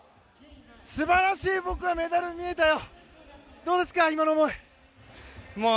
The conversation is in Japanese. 素晴らしいメダルに見えたよ！